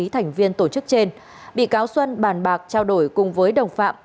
thành viên tổ chức trên bị cáo xuân bàn bạc trao đổi cùng với đồng phạm